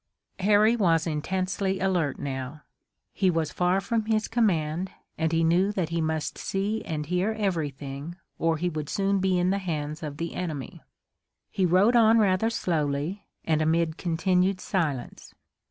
Harry was intensely alert now. He was far from his command, and he knew that he must see and hear everything or he would soon be in the hands of the enemy. He rode on rather slowly, and amid continued silence.